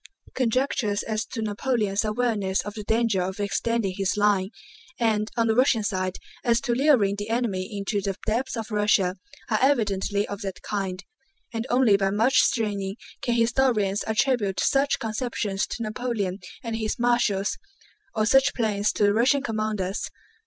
Conjectures as to Napoleon's awareness of the danger of extending his line, and (on the Russian side) as to luring the enemy into the depths of Russia, are evidently of that kind, and only by much straining can historians attribute such conceptions to Napoleon and his marshals, or such plans to the Russian commanders.